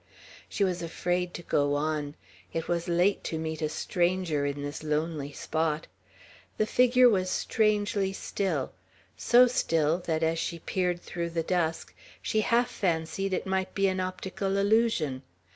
She was afraid to go on. It was late to meet a stranger in this lonely spot. The figure was strangely still; so still that, as she peered through the dusk, she half fancied it might be an optical illusion.